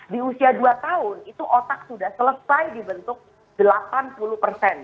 di usia dua tahun itu otak sudah selesai dihidup